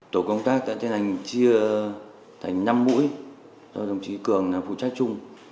tổ công tác đã tiến hành chia thành năm mũi đồng chí cường là phụ trách chung